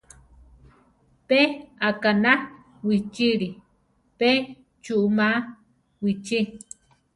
Pe aʼkaná wichíli, pe chuʼmáa wichí.